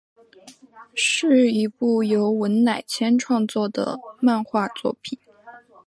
是一部由文乃千创作的漫画作品。